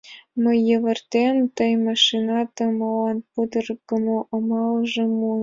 — Мый йывыртем — тый машинатын молан пудыргымо амалжым муынат.